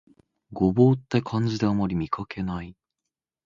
牛蒡って漢字であまり見かけない